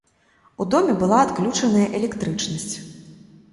У доме была адключаная электрычнасць.